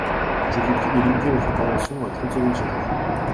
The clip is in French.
Je vous prie de limiter votre intervention à trente secondes chacun.